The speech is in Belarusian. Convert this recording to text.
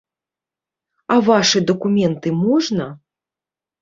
А вашы дакументы можна?